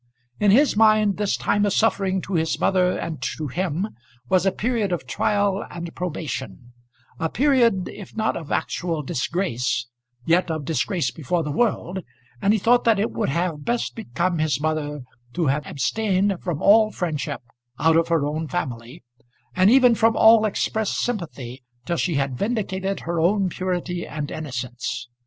In his mind this time of suffering to his mother and to him was a period of trial and probation, a period, if not of actual disgrace, yet of disgrace before the world; and he thought that it would have best become his mother to have abstained from all friendship out of her own family, and even from all expressed sympathy, till she had vindicated her own purity and innocence.